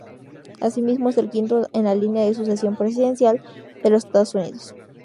Asimismo, es el quinto en la línea de sucesión presidencial de los Estados Unidos.